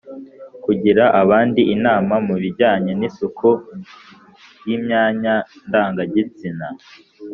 Kugira abandi inama mu bijyanye n isuku y imyanya ndangagitsina